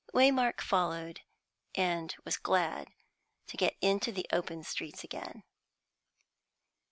Waymark followed, and was glad to get into the open streets again.